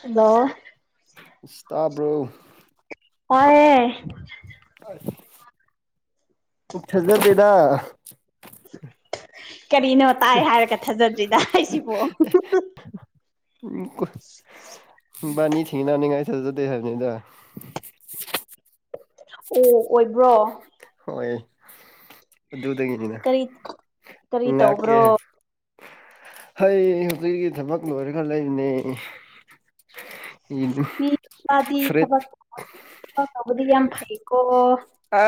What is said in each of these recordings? hello ꯏꯁꯇꯥꯕ꯭ꯔꯣ ꯑ ꯆꯗ ꯄꯩꯗꯥ ꯀꯔꯤꯅꯣ ꯇꯥꯏ ꯍꯥꯏꯔꯒ ꯊꯥꯖꯗ꯭ꯔꯤꯗ ꯑꯩꯁꯤꯕꯨ ꯎ ꯕꯥꯅꯤ ꯊꯤꯅꯅꯕꯅꯤꯉꯥꯏ ꯊꯥꯖꯖꯗꯦ ꯍꯥꯏꯕꯅꯤꯗ ꯑꯣ ꯑꯣꯏꯕ꯭ꯔꯣ ꯍꯣꯏ ꯑꯗꯨꯗꯒꯤꯅꯤꯅ ꯀꯔꯤ ꯀꯔꯤ ꯉꯅꯥ ꯀꯦ ꯇꯧꯕ꯭ꯔꯣ ꯍ ꯍꯧꯖꯤꯛꯀꯤ ꯊꯕꯛ ꯂꯣꯏꯔꯒ ꯂꯩꯔꯤꯅꯦ ꯃꯤꯄꯥꯗꯤ ꯊꯕꯛ ꯊꯕꯛ ꯇꯧꯕꯗꯤ ꯌꯥꯝ ꯐꯩꯀꯣ ꯑ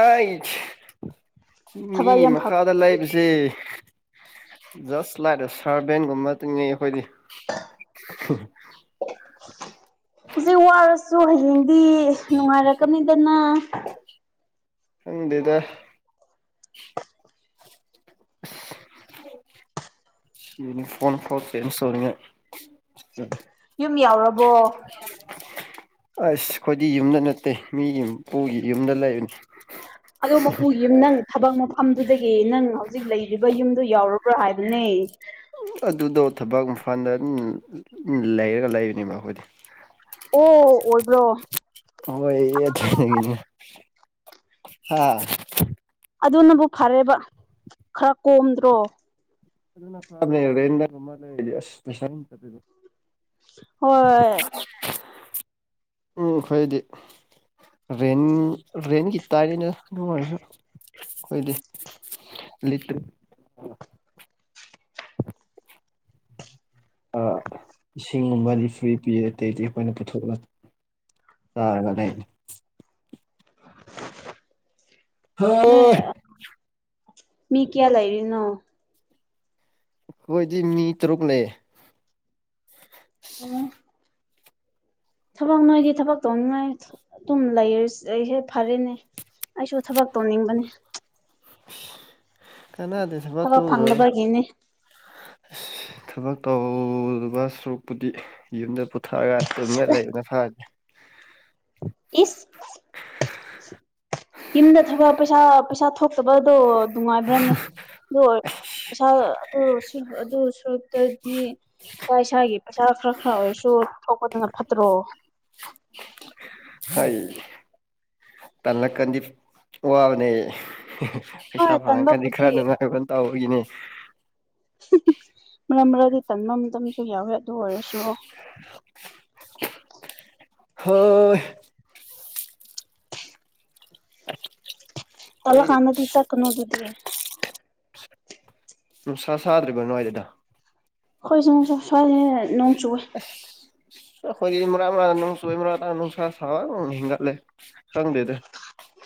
ꯃꯤ ꯊꯕꯛ ꯌꯥꯝ ꯐ ꯃꯈꯥꯗ ꯍꯧꯖꯤꯛ ꯂꯩꯕꯁꯦ ꯖꯁ ꯂꯥꯏꯛ ꯑꯦ ꯁꯔꯚꯦꯟꯒꯨꯝ ꯇꯤꯅꯩ ꯑꯩꯈꯣꯏꯗꯤ ꯍꯧꯖꯤꯛ ꯋꯥꯔꯁꯨ ꯍꯌꯦꯡꯗꯤ ꯅꯨꯡꯉꯥꯏꯔꯛꯀꯅꯤꯗꯅ [inaudible] ꯈꯪꯗꯦꯗ ꯌ ꯐꯅ ꯐꯇꯩꯅ ꯁꯔꯉ [inaudible] ꯌꯨꯝ ꯌꯥꯎꯔꯕꯣ ꯑꯁ ꯑꯩꯈꯣꯏꯗꯤ ꯌꯨꯝꯗ ꯅꯠꯇꯦ ꯃꯤꯒꯤꯄꯨꯒꯤ ꯌꯨꯝꯗ ꯂꯩꯔꯅꯤ ꯑꯗꯣ ꯃꯄꯨꯒꯤꯨꯝ ꯅꯪ ꯊꯕꯛ ꯃꯄ ꯃꯐꯝꯗꯨꯗꯒꯤ ꯅꯪ ꯍꯧꯖꯤꯛ ꯂꯩꯔꯤꯕ ꯌꯨꯝꯗꯨ ꯌꯥꯎꯔꯕ꯭ꯔꯥ ꯍꯥꯏꯕꯅꯦ ꯑꯗꯨꯗꯣ ꯊꯕꯛ ꯏꯝꯐꯥꯟꯜꯗ ꯂꯩꯔꯒ ꯂꯩꯕꯅꯦꯕ ꯑꯩꯈꯣꯏꯗꯤ ꯑꯣ ꯑꯣꯏꯕ꯭ꯔꯣ ꯍꯆꯅꯦ ꯍꯥꯥ ꯑꯗꯨꯅꯕꯨ ꯐꯔꯦꯕ ꯈꯔ ꯀꯣꯝꯗ꯭ꯔꯣ ꯑꯗꯨ ꯐꯔꯁꯁ ꯍꯣꯏ ꯎꯝ ꯑꯩꯈꯣꯏꯗꯤ ꯔꯦꯟ ꯔꯦꯟꯒꯤ ꯇꯥꯏꯔꯤꯅꯦ ꯑꯗꯨꯝ ꯑꯣꯏꯔꯁꯨ ꯑꯩꯈꯣꯏꯗꯤ ꯂꯤꯠꯇ ꯏꯁꯤꯡꯒꯨꯝꯕ ꯐꯔꯤ ꯄꯤ ꯑꯇꯩꯗꯤ ꯑꯩꯈꯣꯏꯅ ꯄꯨꯊꯣꯛꯂ ꯇꯅꯦ [inaudible] [unintelligible] ꯅꯣꯏ [inaudible] ꯃꯤ ꯀꯌꯥ ꯂꯩꯔꯤꯅꯣ ꯑꯩꯈꯣꯢꯗꯤ ꯃꯤ ꯇꯔꯨꯛ ꯂꯩ ꯎꯝ ꯊꯕꯛ ꯅꯣꯏꯗꯤ ꯊꯕꯛ ꯇꯧꯅꯤꯡꯉꯥꯏ ꯑꯗꯨꯝ ꯂꯩꯔ ꯑꯩꯁꯦ ꯐꯔꯦꯅꯦ ꯑꯩꯁꯨ ꯊꯕꯛ ꯇꯧꯅꯤꯡꯕꯅꯦ ꯀꯅꯥꯗꯦ ꯊꯕꯛ ꯇꯧꯔꯒꯥ ꯊꯕꯛ ꯇꯧꯗꯕ ꯁꯔꯨꯛꯄꯨꯗꯤ ꯌꯨꯝꯗ ꯄꯨꯊꯔꯒ ꯇꯨꯝꯃ ꯂꯩꯕꯅ ꯐꯅꯤ [unintelligible] ꯏꯁ ꯌꯨꯝꯗ ꯊꯕꯛ ꯄꯩꯁꯥ ꯄꯩꯁꯥ ꯊꯣꯛꯇꯕꯗꯣ ꯅꯨꯡꯉꯥꯏꯕ꯭ꯔꯥꯅꯦ ꯑꯗꯨ ꯑꯣꯏ ꯄꯩꯁꯥ ꯑꯗꯨ ꯑꯗꯨ ꯁꯨꯔꯛꯇ꯭ꯔꯗꯤ ꯏꯁꯥ ꯏꯁꯥꯒꯤ ꯄꯩꯁꯥ ꯈꯔ ꯈꯔ ꯑꯣꯏꯔꯁꯨ ꯊꯣꯛꯄꯗꯨꯅ ꯐꯠꯇ꯭ꯔꯣ [unintelligible] ꯐꯩ ꯇꯥꯟꯂꯛꯒꯅꯤ ꯋꯥꯕꯅꯦ ꯄꯩꯁꯥ ꯍꯣꯏ ꯐꯪꯉꯛ [inaudible] ꯒꯗꯤ ꯇꯟꯕꯕꯨꯗꯤ ꯈꯔ ꯅꯨꯡꯉꯥꯏꯕꯅ ꯇꯧꯕꯒꯤꯅꯦ ꯃꯔꯛ ꯃꯔꯛꯗꯤ ꯇꯥꯟꯕ ꯃꯇꯝ ꯃꯇꯝꯁꯨ ꯌꯥꯎꯋꯦ ꯑꯗꯨ ꯑꯣꯏꯔꯁꯨ ꯍꯣꯏ ꯑꯩꯈꯣꯏꯗꯤ ꯇꯥꯜꯂꯒꯥꯟꯗꯗꯤ ꯆꯠꯀꯅꯣꯗꯨꯗꯤ ꯅꯨꯡꯁꯥ ꯁꯥꯗ꯭ꯔꯤꯕ ꯅꯋꯥꯏꯗꯨꯗ [inaudible] ꯅꯣꯡ ꯆꯨ ꯑꯩꯈꯣꯏꯗꯤ ꯏ ꯃꯔꯥ ꯃꯔꯥꯡ ꯅꯨꯡ ꯆꯨꯏ ꯃꯔꯥ ꯅꯨꯡꯁꯥ ꯁꯥꯕꯨ ꯍꯦꯟꯒꯠꯂꯦ ꯈꯪꯗꯦꯗ [unintelligible]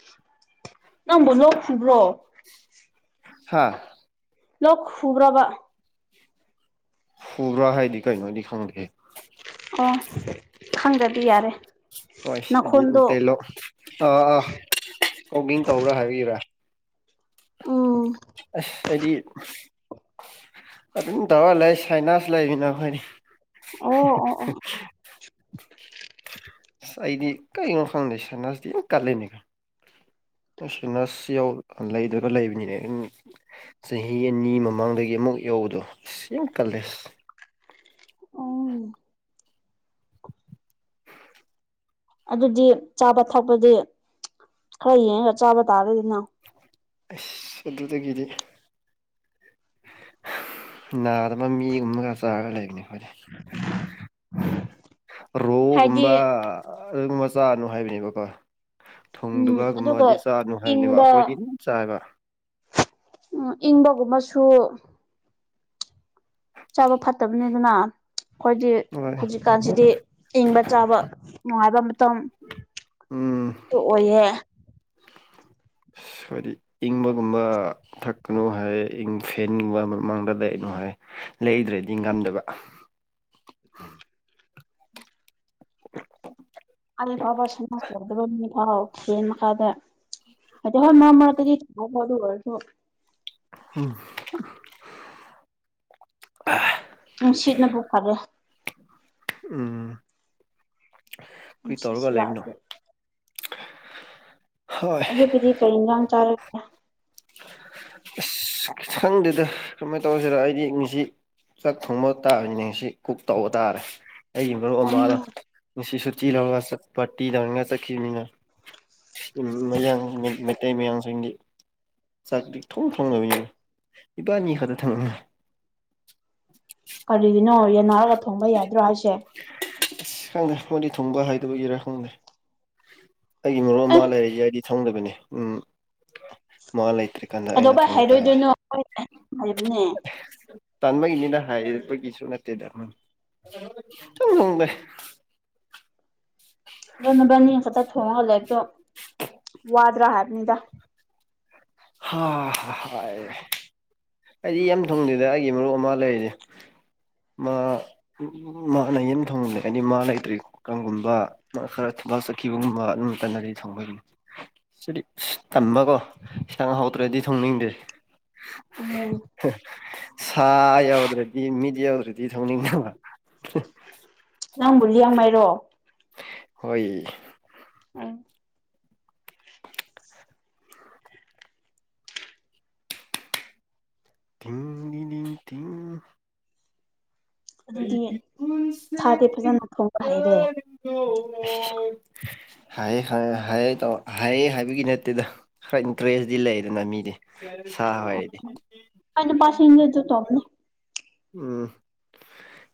ꯅꯪꯕꯨ ꯂꯣꯛꯈꯨꯕ꯭ꯔꯣ ꯍꯥꯥ ꯂꯣꯛ ꯈꯨꯕ꯭ꯔꯣꯕ ꯍꯨꯕ꯭ꯔꯥ ꯍꯥꯏꯗꯤ ꯀꯩꯅꯣꯗꯤ ꯈꯪꯗꯦ ꯑꯣ ꯈꯪꯗꯗꯤ ꯌꯥꯔꯦ ꯍꯣꯏ ꯍꯥꯏꯗꯤ ꯅꯈꯣꯟꯗꯣ ꯑꯥ ꯑꯥ ꯑꯣꯀꯤꯡ ꯇꯧꯕ꯭ꯔꯥ ꯍꯥꯏꯕꯤꯕ꯭ꯔꯥ [inaudible] ꯎꯝ ꯑꯁ ꯍꯥꯏꯗꯤ ꯑꯗꯨꯝ ꯇꯋꯥꯏ ꯂꯩ ꯁꯥꯏꯅꯥꯁꯨ ꯂꯩꯃꯤꯅ ꯑꯩꯈꯣꯏꯅꯤ ꯑꯣ ꯑꯣ ꯑꯣ ꯑꯩꯗꯤ ꯀꯩ ꯑꯣ ꯈꯪꯗ ꯁ ꯅꯁꯇ ꯀꯂꯅꯦꯀ ꯑꯁ ꯅꯁ ꯂꯩꯗꯨꯒ ꯂꯩꯕꯅꯤꯅꯦ ꯆꯍꯤ ꯑꯅꯤ ꯃꯃꯥꯡꯗꯒꯤ ꯑꯃꯨꯛ ꯌꯧ ꯍ ꯁꯤ ꯀꯂꯦꯁ ꯎꯝ ꯑꯗꯨꯗꯤ ꯆꯥꯕ ꯊꯛꯄꯗꯤ ꯈꯔ ꯌꯦꯡꯉꯒ ꯆꯥꯕ ꯇꯔꯦꯗꯅ ꯑꯁ ꯑꯗꯨꯗꯒꯤꯗꯤ ꯅꯥꯗꯕ ꯃꯒꯨꯝ [inaudible] ꯎꯃꯒ ꯆꯒ ꯂꯩꯒꯅꯤ ꯐꯔꯦ ꯍꯥꯏꯗꯤ ꯔꯣꯒꯨꯝꯕ ꯑꯗꯨꯒꯨꯝ ꯃꯆꯥꯅꯨ ꯍꯥꯏꯕꯅꯦꯕꯀꯣ ꯎꯝ ꯑꯗꯨꯒ ꯊꯨꯡꯗꯕꯒꯨꯝꯕꯗꯤ ꯆꯥꯅꯨ ꯍꯥꯏꯕꯅꯦꯕ ꯏꯪꯕ ꯑꯩꯈꯣꯏꯗꯤ ꯑꯗꯨꯝ ꯆꯥꯏꯕ ꯎꯝ ꯏꯪꯕꯒꯨꯝꯕꯁꯨ ꯆꯥꯕ ꯐꯠꯇꯕꯅꯤꯅ ꯑꯩꯈꯣꯏꯗꯤ ꯍꯣꯏ ꯍꯧꯖꯤꯛꯀꯥꯟꯁꯤꯗꯤ ꯏꯪꯕ ꯆꯥꯕ ꯅꯨꯡꯉꯥꯏꯕ ꯃꯇꯝ ꯎꯝ ꯇ ꯑꯣꯏꯍꯦ [unintelligible] ꯍꯥꯏꯗꯤ ꯏꯪꯕꯒꯨꯝꯕ ꯊꯛꯀꯅꯨ ꯍꯥꯏ ꯏꯪ ꯐꯦꯟꯒꯨꯝꯕ ꯃꯃꯥꯡꯗ ꯂꯩꯏꯩꯅꯣ ꯍꯥꯏ ꯂꯩꯗ꯭ꯔꯗꯤ ꯉꯝꯗꯕ ꯑꯦ ꯄꯕꯥ ꯁꯃꯇꯔꯗꯕ ꯊꯥꯎ ꯈ ꯃꯈ ꯀꯥꯗ ꯑ ꯃ ꯃꯔꯔꯗꯤ ꯊ ꯐꯗ ꯑꯣꯏꯔꯁꯨ ꯎꯝ ꯎꯝ ꯁꯤꯠꯅꯕꯨꯣ ꯈꯦ ꯎꯝ ꯀꯔꯤ ꯃꯁꯦ ꯇꯧꯔꯒ ꯂꯩꯕꯅꯣ ꯆꯂꯥꯛꯒ ꯍꯣꯏ ꯑꯌꯨꯛꯀꯤꯗꯤ ꯀꯔꯤ ꯏꯒꯥꯡ ꯆꯥꯔꯒꯦ ꯑꯁ ꯈꯤꯊꯪꯗꯨꯗ ꯀꯃꯥꯏꯅ ꯇꯧꯔꯁꯤꯔ ꯑꯩꯗꯤ ꯉꯁꯤ ꯆꯥꯛ ꯊꯣꯡꯕ ꯇꯥꯕꯅꯤꯅꯦꯁꯤ ꯀꯛ ꯇꯧꯕ ꯇꯥꯔꯦ ꯑꯩꯒꯤ ꯃꯔꯨꯞ ꯎꯝ ꯑꯃꯅꯣ ꯉꯁꯤꯁꯨ ꯆ ꯂ ꯄꯇꯤ ꯂꯅꯤꯡ ꯆ ꯃꯌꯥꯡ ꯃꯩꯇꯩ ꯃꯌꯥꯡꯁꯤꯡꯒꯤ ꯆ ꯊꯣꯡ ꯊꯉ ꯏꯕꯥꯥꯅꯤ ꯈꯗ ꯊꯥꯡꯅꯅ ꯀꯔꯤꯒꯤꯅꯣ ꯌꯥꯟꯅꯔꯒ ꯊꯣꯡꯕ ꯌꯥꯗ꯭ꯔꯣ ꯍꯥꯏꯁꯦ ꯑꯁ ꯈꯪꯗꯦ ꯃꯗꯤ ꯊꯨꯡꯕ ꯍꯥꯏꯗꯕꯒꯤꯔꯥ ꯈꯪꯗꯦ ꯑꯩꯒꯤ ꯃꯔꯨꯞ ꯑꯦ ꯑꯃ ꯂꯩꯔꯤ ꯍꯥꯏꯗꯤ ꯁꯪꯗꯕꯅꯤ ꯎꯝ ꯃꯥ ꯂꯩꯇ꯭ꯔꯦ ꯀꯩꯗꯧꯕꯩ ꯍꯥꯏꯔꯣꯏꯗꯣꯏꯅꯣ ꯍꯥꯏꯕꯅꯦ ꯇꯥꯟꯕꯒꯤꯅꯤꯅ ꯍꯥꯏꯔꯄꯒꯤꯁꯨ ꯅꯠꯇꯦꯗ ꯂꯕꯅꯤ ꯊꯣꯡꯍꯜꯂꯦꯛꯇꯣ ꯋꯥꯗ꯭ꯔꯥ ꯍꯥꯏꯕꯅꯤꯗ ꯍꯥ ꯍ ꯑꯩꯗꯤ ꯌꯥꯝꯊꯨꯝꯁꯤꯗ ꯑꯩꯒꯤ ꯃꯔꯨꯞ ꯑꯃ ꯂꯩꯔꯤꯁꯦ ꯃꯥꯅ ꯌꯟ ꯊꯣꯡꯅꯤꯡꯗ ꯍꯥꯏꯗꯤ ꯃꯥ ꯂꯩꯇ꯭ꯔꯤ ꯀꯥꯡꯒꯨꯝꯕ ꯃꯥ ꯈꯔ ꯥꯛ ꯆꯠꯈꯤꯕꯒꯨꯝꯕ ꯑꯗꯨꯝ ꯇꯅꯔꯤ ꯊꯣꯡꯕꯒꯤ ꯁꯤꯗꯤ ꯇꯝꯃꯀꯣ ꯈꯤꯇꯪ ꯍꯧꯥꯎꯗ꯭ꯔꯗꯤ ꯊꯣꯡꯅꯤꯡꯗꯦ ꯎꯝ ꯁꯥ ꯌꯥꯎꯗ꯭ꯔꯗꯤ ꯃꯤꯗꯤ ꯌꯥꯎꯗ꯭ꯔꯗꯤ ꯊꯧꯅꯤꯡꯕ ꯅꯪꯕꯨꯜꯂꯤ ꯌꯥꯝꯃꯥꯏꯔꯣ ꯍꯣꯏ ꯑ ꯊ ꯊ ꯀꯩ ꯑꯗꯨꯗꯤ ꯁꯥꯗꯤ ꯀꯜꯁꯤꯡ ꯐꯖꯅ ꯊꯣꯡꯕ ꯍꯩꯔꯦ ꯀꯒꯣ ꯑꯣ ꯍꯥꯏꯑ ꯍꯥꯏ ꯍꯥꯏꯑ ꯇꯧ ꯍꯥꯏꯑ ꯍꯥꯏꯕꯒꯤ ꯅꯠꯇꯦꯗ ꯈꯔ ꯏꯟꯇꯔꯦꯁꯇꯤ ꯂꯩꯗꯅ ꯃꯤꯗꯤ ꯁ ꯍꯗꯤ ꯑꯩ ꯅꯨꯄꯥꯁꯤꯡꯗꯤ ꯑꯗꯨ ꯇꯧꯕꯅꯤ ꯎꯝ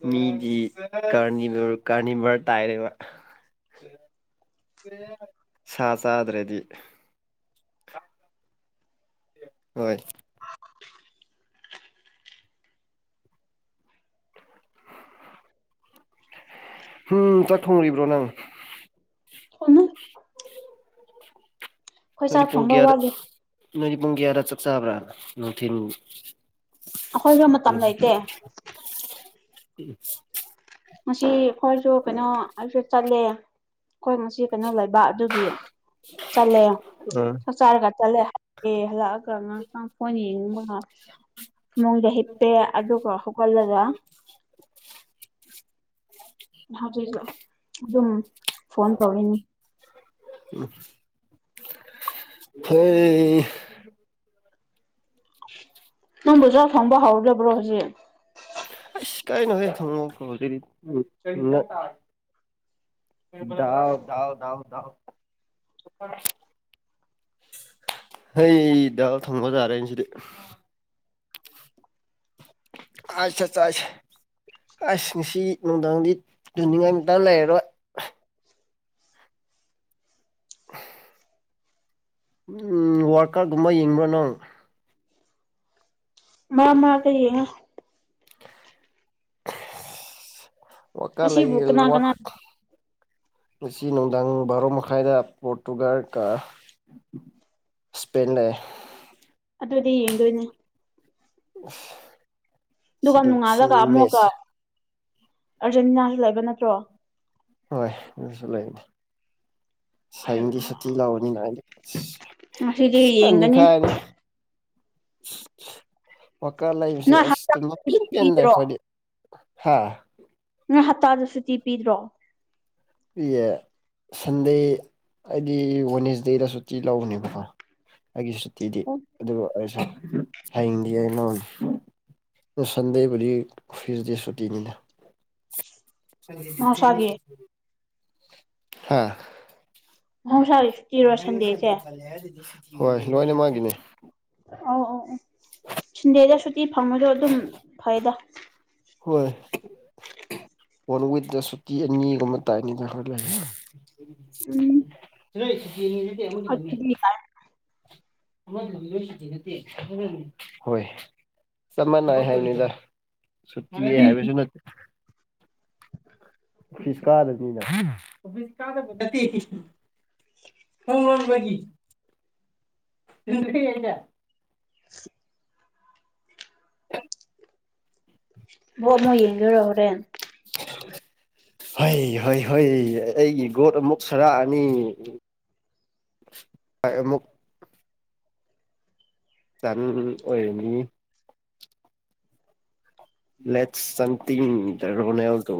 ꯃꯤꯗꯤ ꯀꯔꯅꯤ ꯀꯔꯅꯤ ꯃꯔ ꯇꯥꯏꯔꯦꯕ ꯁꯥ ꯆꯥꯗ꯭ꯔꯦꯗꯤ ꯍꯣꯏ ꯎꯝ ꯆꯥꯛ ꯊꯣꯡꯉꯨꯔꯤꯕ꯭ꯔꯣ ꯅꯪ ꯊꯣꯡꯅꯤ [unintelligible] ꯑꯩꯈꯣꯏ ꯅꯅꯤ ꯆꯥꯛ ꯄꯨꯡ ꯊꯣꯡꯕ ꯀꯌꯥꯗ ꯋꯥꯠꯂꯤ ꯅꯣꯏꯅꯤꯠ ꯄꯨꯡ ꯀꯌꯥꯗ ꯆꯥꯛ ꯆꯥꯕ꯭ꯔꯥ ꯅꯨꯡꯊꯤ ꯑꯩꯈꯣꯏꯁꯨ ꯃꯇꯝ ꯂꯩꯇꯦ ꯎꯝ ꯉ ꯑꯩꯈꯣꯏꯁꯨ ꯀꯩꯅꯣ ꯑꯩꯁꯨ ꯆꯠꯂꯦ ꯍꯣꯏ ꯃꯁꯤ ꯀꯩꯅꯣ ꯂꯩꯕ ꯑꯗꯨꯒꯤ ꯆꯠꯂꯦ ꯑꯥ ꯆꯥꯛ ꯆꯥꯔꯒ ꯆꯠꯂꯦ ꯍꯂꯛꯑꯦ ꯍꯜꯂꯛꯑꯒ ꯑꯥꯡ ꯍꯣꯏ ꯌꯦꯡꯅꯤꯡꯕ ꯊꯃꯣꯏꯗ ꯍꯤꯞꯄꯦ ꯑꯗꯨꯒ ꯍꯧꯒꯠꯂꯒ [unintelligible] ꯍꯧꯖꯤꯛ ꯑꯗꯨꯝ ꯐꯣꯟ ꯇꯧꯔꯤꯅꯤ ꯍꯣꯏ ꯅꯪꯕꯨꯕꯖꯥ ꯐꯪꯕ ꯍꯧꯥꯎꯗꯕ꯭ꯔꯣ ꯍꯧꯖꯤꯛ ꯁꯤ ꯀꯥꯏꯅ ꯍ ꯊꯪꯉ ꯐꯗꯤ ꯎ ꯗꯥꯑꯣ ꯌꯥꯗꯥꯎ ꯌꯥꯗꯥꯎꯗꯥꯎ ꯍꯗ ꯊꯪꯕꯖꯥꯔꯦꯅꯦꯁꯤꯗꯤ ꯑꯁꯠ ꯆꯁ ꯑꯁꯤꯡꯁꯤ ꯅꯨꯡꯊꯪꯗꯤ ꯇꯨꯅꯤꯡꯉꯥꯏꯇ ꯂꯩꯔꯔꯣꯏ [unintelligible] ꯋꯥꯔꯀꯔꯒꯨꯝꯕ ꯌꯦꯡꯕ꯭ꯔꯣ ꯅꯪ ꯃꯥ ꯃꯥ ꯀꯩꯦ ꯋꯥꯀꯥ ꯂ ꯉꯁꯤꯕꯨ ꯀꯅꯥ ꯋꯥ ꯀꯅꯥ ꯉꯁꯤ ꯅꯨꯡꯗꯥꯡ ꯕꯥꯔꯣ ꯃꯈꯥꯏꯗ ꯄꯣꯔꯇꯨꯒꯜꯀ ꯁꯄꯦꯟꯦ ꯑꯗꯨꯑꯣꯗꯤ ꯌꯦꯡꯗꯣꯏꯅꯦ ꯎ ꯑꯗꯨꯒ ꯅꯣꯡꯉꯥꯜꯂꯒ ꯑꯃꯨꯛꯀ ꯑꯔꯖꯦꯟꯇꯤꯅꯥꯁꯨ ꯂꯩꯕ ꯅꯠꯇ꯭ꯔꯣ ꯍꯣꯏ ꯑꯗꯨꯁꯨ ꯂꯩꯅꯤ ꯁꯌꯦꯡꯗꯤ ꯁꯨꯇꯤ ꯂꯥꯛꯑꯣꯅꯤꯅ ꯍꯥꯏꯗ ꯑꯁꯤꯗꯤ ꯌꯦꯡꯒꯅꯤ ꯋꯥꯀꯥ ꯂꯩꯕꯁꯦ ꯅꯣꯏ ꯑꯁ ꯀꯦꯟ ꯍꯞꯇꯥꯗ ꯁꯨꯇꯤ ꯀꯦꯟ ꯂꯩ ꯄꯤꯗ꯭ꯔꯣ ꯑꯩꯈꯣꯏꯗꯤ ꯍꯥꯥ ꯅꯪ ꯍꯞꯇꯥꯗ ꯁꯨꯇꯤ ꯄꯤꯗ꯭ꯔꯣ ꯏꯦ ꯁꯟꯗꯦ ꯍꯥꯏꯗꯤ ꯋꯅꯦꯦꯁꯗꯦꯗ ꯁꯨꯇꯤ ꯂꯧꯕꯅꯦꯕꯀꯣ ꯑꯩꯒꯤ ꯁꯨꯇꯤꯗꯤ ꯑꯗꯨꯕꯨ ꯑꯩꯁꯨ ꯍꯌꯦꯡꯗꯤ ꯑ ꯂꯧꯅꯤ ꯁꯟꯗꯦ ꯋꯥꯔꯤ ꯐꯤꯁꯗꯤ ꯁꯨꯇꯤꯅꯤꯅ ꯃꯍꯧꯁꯥꯒꯤ ꯍꯥꯥ ꯃꯍꯧꯁꯥꯒꯤ ꯁꯨꯇꯤꯔꯣ ꯁꯟꯗꯦꯁꯦ ꯍꯣꯏ ꯂꯅꯦ ꯃꯥꯒꯤꯅꯦ ꯑ ꯑ ꯑꯣ ꯁꯟꯗꯦꯗ ꯁꯨꯇꯤ ꯐꯪꯉꯗꯣ ꯑꯗꯨꯝ ꯐꯩꯗ ꯍꯣꯏ ꯋꯥꯟ ꯋꯤꯛꯇ ꯁꯨꯇꯤ ꯑꯅꯤꯒꯨꯝꯕ ꯇꯥꯏꯅꯤꯗ ꯈꯔ ꯎꯝ ꯂꯩ ꯗꯤꯅꯤ ꯊ ꯑꯗꯨꯗꯤ ꯍꯣꯏ ꯆꯃꯅꯅꯥ ꯍꯥꯏꯅꯤꯗ ꯎꯝ ꯍꯥꯏꯕꯁꯨ ꯅꯠꯇ ꯐꯤꯁꯀꯥꯗ ꯍꯒꯤ [unintelligible] ꯕꯥꯜꯂ ꯌꯦꯡꯗꯣꯏꯔꯣ ꯍꯣꯔꯦꯟ ꯍꯣꯏ ꯍꯣꯏ ꯍꯣꯏ ꯑꯩꯒꯤ ꯒꯣꯠ ꯑꯃꯨꯛ ꯁꯔꯛꯑꯅꯤ ꯑꯃꯨꯛ ꯆꯟ ꯑꯣꯏꯔꯅꯤ ꯂꯦꯠ ꯁꯟꯇ ꯔꯣꯅꯥꯜꯗꯣ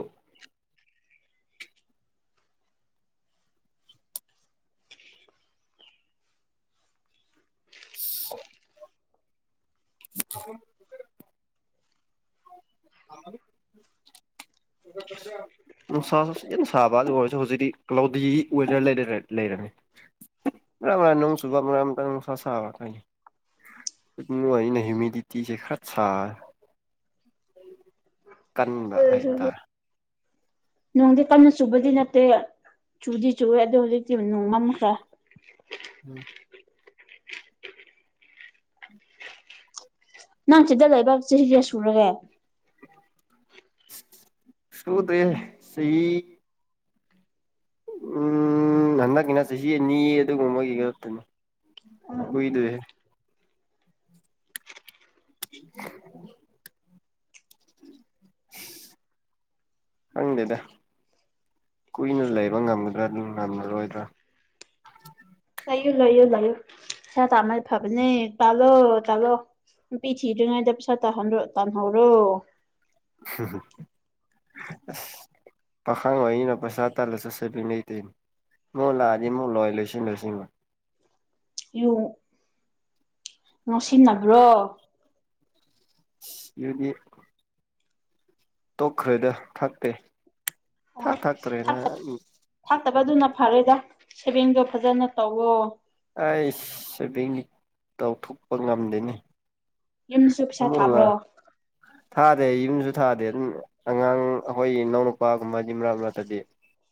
[unintelligible] [unintelligible] ꯑ ꯅꯨꯡꯁꯥꯁꯨ ꯌꯥꯝꯅ ꯁꯥꯕ ꯑꯗꯨ ꯑꯣꯏꯔꯁꯨ ꯍꯧꯖꯤꯛꯇꯤ ꯀ꯭ꯂꯥꯎꯗꯤꯒꯤ ꯋꯦꯗꯔ ꯂꯩꯔꯅꯤ ꯅ ꯁꯨꯒ ꯁꯁ ꯀꯥꯏ ꯏ ꯑꯩꯅ ꯍ꯭ꯨꯃꯤꯗꯤꯇꯤ ꯈꯠ ꯁꯥ ꯀꯟꯕ ꯍꯥꯏꯇꯥꯔꯦ ꯅꯣꯡꯗꯤ ꯀꯟꯅ ꯁꯨꯕꯗꯤ ꯅꯠꯇꯦ ꯆꯨꯗꯤ ꯆꯨꯏꯦ ꯑꯗꯨꯗ ꯍꯧꯖꯤꯛꯇꯤ ꯅꯣꯡꯃꯝꯈꯔ ꯎꯝ ꯅꯪ ꯁꯤꯗ ꯂꯩꯕ ꯆꯍꯤ ꯀꯌꯥ ꯁꯨꯔꯒꯦ ꯁꯨꯇꯤꯌꯦ ꯁꯤ ꯎꯝ ꯍꯟꯗꯛꯀꯤꯅ ꯆꯁꯤ ꯑꯅꯤ ꯑꯗꯨꯒꯨꯝꯕꯒꯤ ꯉꯥꯛꯇꯥꯅꯤ ꯀꯨꯢꯗꯦ [unintelligible] ꯈꯡꯗꯦꯗ ꯀꯨꯏꯅ ꯂꯩꯕ ꯉꯝꯒꯗ꯭ꯔꯥ ꯑꯗꯨ ꯉꯝꯂꯔꯣꯏꯗ꯭ꯔꯥ ꯂꯩꯥꯌꯨ ꯂꯩꯌꯨ ꯂꯩꯌꯨ ꯄꯩꯁꯥ ꯇꯟꯕꯗꯤ ꯐꯕꯅꯦ ꯇꯂꯣ ꯇꯂꯣ ꯅꯨꯄꯤ ꯊꯤꯗ꯭ꯔꯤꯉꯩꯗ ꯄꯩꯁꯥ ꯇꯥꯟꯍꯟ ꯇꯥꯟꯍꯧꯔꯣ ꯑꯁ ꯄꯥꯈꯥꯡ ꯑꯣꯏꯅ ꯄꯩꯁꯥ ꯇꯜꯂ ꯆꯠꯁꯦꯕꯤ ꯂꯩꯇꯦ ꯃꯣꯏ ꯂꯑ ꯂꯣꯏ ꯏ ꯂꯁꯤ ꯅꯁꯤ ꯌꯨ ꯅꯨꯡꯁꯤꯟꯅꯕ꯭ꯔꯣ ꯌꯗꯤ ꯇꯣꯛꯈ꯭ꯔꯦꯗ ꯊꯛꯇꯦ ꯊꯥꯛ ꯑꯣ ꯊꯥꯛꯇ꯭ꯔꯦꯅ ꯊꯥꯛꯇꯕꯗꯨꯅ ꯐꯔꯦꯗ ꯁꯦꯚꯤꯡꯗꯣ ꯐꯖꯅ ꯇꯧꯋꯣ ꯑꯩ ꯁꯦꯚꯤꯡ ꯇꯧꯊꯣꯛꯄ ꯉꯝꯗꯦꯅꯦ ꯌꯨꯝꯗꯁꯨ ꯄꯩꯁꯥ ꯊꯥꯕ꯭ꯔꯣ ꯊꯥꯗꯦ ꯌꯨꯝꯖꯨ ꯊꯥꯗꯦ ꯑꯗꯨꯝ ꯑꯉꯥꯡ ꯑꯩꯈꯣꯏ ꯏꯅꯥꯎꯅꯨꯄꯥꯒꯨꯝꯕꯗꯤ ꯃꯔꯛ ꯃꯔꯛꯇꯗꯤ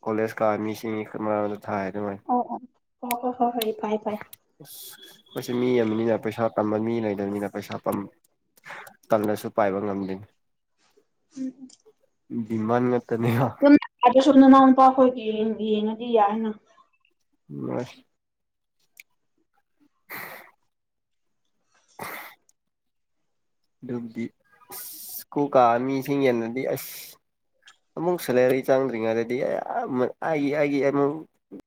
ꯀꯣꯂꯦꯖ ꯀꯥ ꯃꯤꯁꯤꯡ ꯃꯔꯝꯗ ꯊꯥꯏ ꯑꯗꯨꯃꯥꯏ ꯑꯣ ꯑꯣ ꯑꯣ ꯍꯣꯏ ꯍꯣꯏ ꯍꯣꯏ ꯐꯥꯏ ꯐꯥꯏ ꯄ ꯃꯤ ꯑꯃꯅꯤꯅꯥ ꯄꯩꯁꯥ ꯇꯝꯕ ꯃꯤ ꯂꯩꯗꯕꯅꯤꯅ ꯄꯩꯁꯥ ꯇꯝꯗꯁꯨ ꯄꯥꯏꯕ ꯉꯝꯗꯦ ꯎꯝ ꯗꯦꯃꯟꯗ ꯌꯨꯝꯒꯤ ꯌꯦꯡꯗꯔ꯭ꯁꯨ ꯅꯅꯥꯎꯅꯨꯄꯥ ꯍꯣꯏꯒꯤ ꯌꯦꯡꯉꯗꯤ ꯌꯥꯏꯅ ꯅꯪ ꯑꯁ [unintelligible] ꯑꯗꯨꯗꯤ ꯑ ꯀꯨꯀꯥ ꯃꯤꯁꯤꯡ ꯌꯦꯗꯗꯤ ꯑꯁ ꯑꯃꯨꯛ ꯁꯦꯂꯔꯤ ꯆꯪꯗ꯭ꯔꯤꯉꯩꯗꯗꯤ ꯑꯩꯒꯤ ꯑꯩꯒꯤ ꯑꯃꯃꯨꯛ